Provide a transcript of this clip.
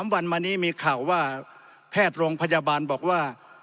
วันมานี้มีข่าวว่าแพทย์โรงพยาบาลบอกว่า